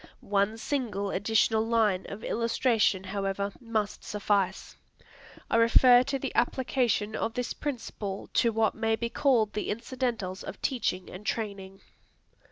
One single additional line of illustration, however, must suffice. I refer to the application of this principle to what may be called the incidentals of teaching and training.